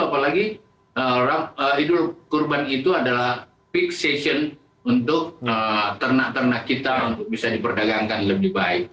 apalagi idul kurban itu adalah peak session untuk ternak ternak kita untuk bisa diperdagangkan lebih baik